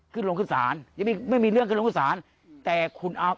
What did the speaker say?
ขึ้นลงขึ้นศาลยังไม่ไม่มีเรื่องขึ้นลงขึ้นศาลแต่คุณเอา